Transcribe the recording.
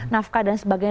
nafkah dan sebagainya